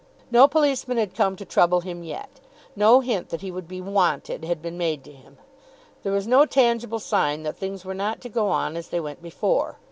No policemen had come to trouble him yet. No hint that he would be "wanted" had been made to him. There was no tangible sign that things were not to go on as they went before.